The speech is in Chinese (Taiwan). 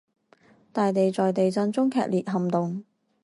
大地在地震中劇烈撼動